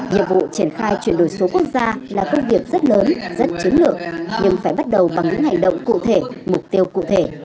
nhiệm vụ triển khai chuyển đổi số quốc gia là công việc rất lớn rất chiến lược nhưng phải bắt đầu bằng những hành động cụ thể mục tiêu cụ thể